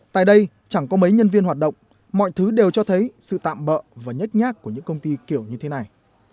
tại đây chẳng có mấy nhân viên hoạt động mọi thứ đều cho thấy sự tạm bỡ và nhách nhác của những công ty kiểu như thế này